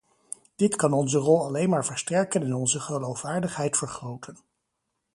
Dit kan onze rol alleen maar versterken en onze geloofwaardigheid vergroten.